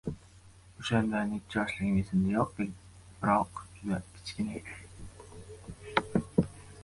O‘shanda necha yoshligim esimda yo‘q. Biroq juda kichkina edm.